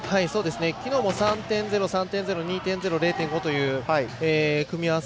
きのうも３．０、３．０２．０、０．５という組み合わせ